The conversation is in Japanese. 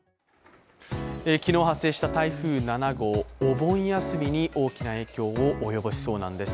昨日発生した台風７号、お盆休みに大きな影響を及ぼしそうなんです。